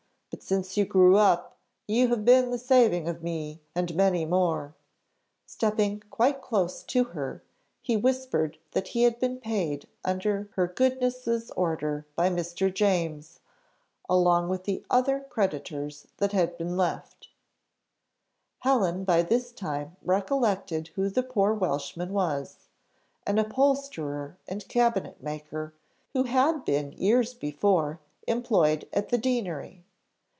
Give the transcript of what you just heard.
But since you grew up, you have been the saving of me and many more " Stepping quite close to her, he whispered that he had been paid under her goodness's order by Mr. James, along with the other creditors that had been left. Helen by this time recollected who the poor Welshman was an upholsterer and cabinet maker, who had been years before employed at the Deanery.